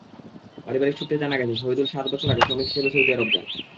পারিবারিক সূত্রে জানা গেছে, শহিদুল সাত বছর আগে শ্রমিক হিসেবে সৌদি আরব যান।